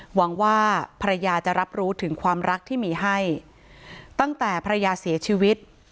หวังว่าภรรยาจะรับรู้ถึงความรักที่มีให้ตั้งแต่ภรรยาเสียชีวิต